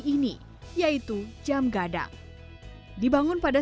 bukit tinggi adalah tempat yang sangat menarik untuk menemukan penjajah